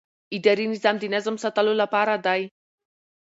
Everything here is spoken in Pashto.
اداري نظام د نظم ساتلو لپاره دی.